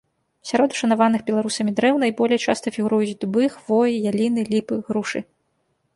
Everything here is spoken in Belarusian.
Сярод ушанаваных беларусамі дрэў найболей часта фігуруюць дубы, хвоі, яліны, ліпы, грушы.